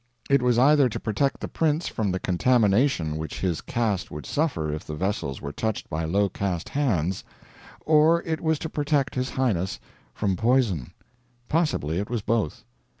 It was either to protect the prince from the contamination which his caste would suffer if the vessels were touched by low caste hands, or it was to protect his highness from poison. Possibly it was both.